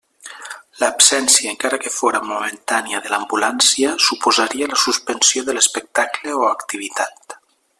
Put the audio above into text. L'absència, encara que fóra momentània de l'ambulància, suposaria la suspensió de l'espectacle o activitat.